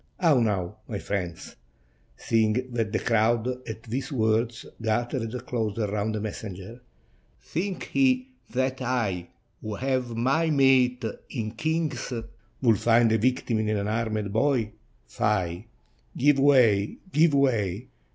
How now, my friends?" seeing that the crowd at these words gathered closer round the messenger. " Think ye that I, who have my mate in kings, would find a victim in an unarmed boy? Fie! give way, give way.